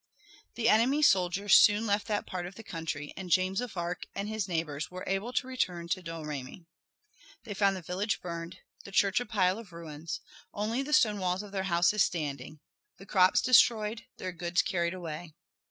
The enemy's soldiers soon left that part of the country and James of Arc and his neighbors were able to return to Domremy. They found the village burned, the church a pile of ruins, only the stone walls of their houses standing, the crops destroyed, their goods carried away.